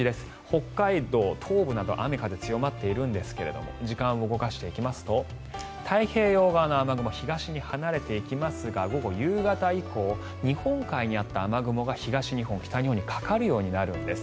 北海道東部など雨風強まっているんですが時間を動かしていきますと太平洋側の雨雲東に離れていきますが午後、夕方以降日本海にあった雨雲が東日本、北日本にかかるようになるんです。